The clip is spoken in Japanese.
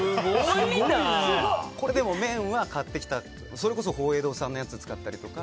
これ、麺は買ってきたそれこそ邦栄堂さんのやつを使ったりとか。